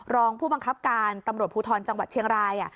รองผู้บังคับการตำรวจภูทรจังหวัดเชียงราย